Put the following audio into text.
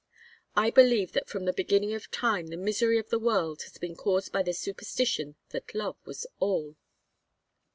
I believe that from the beginning of time the misery of the world has been caused by the superstition that love was all.